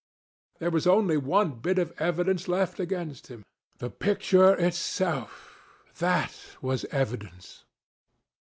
There was only one bit of evidence left against him. The picture itself—that was evidence.